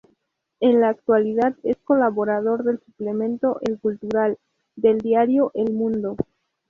En la actualidad es colaborador del suplemento "El Cultural" del diario "El Mundo".